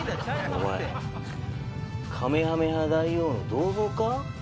おまえカメハメハ大王の銅像か？